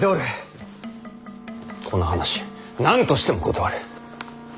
この話何としても断れ！